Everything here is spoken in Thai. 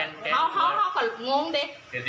ก็ตั้งหนึ่งต้องนะ